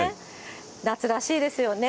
夏らしいですよね。